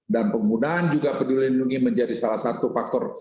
dan kemudahan juga penduduk lindungi menjadi salah satu faktor